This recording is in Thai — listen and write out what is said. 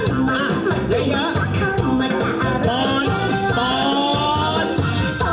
ทำก็ไม่อยากทำชับช้า